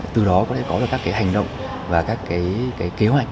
từ đó có thể có được các hành động và các cái kế hoạch